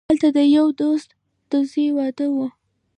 هلته د یوه دوست د زوی واده وو.